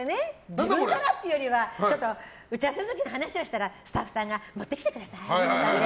自分からっていうよりは打ち合わせの時に話をしたらスタッフさんが持ってきてくださいって。